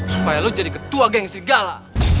supaya lo jadi ketua geng serigala